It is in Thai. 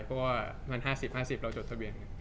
เพราะว่ามัน๕๐๕๐เราจดทะเบียน